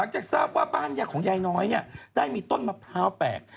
แต่ทราบว่าบ้านของยายน้อยได้มีต้นมะพร้าวแปลก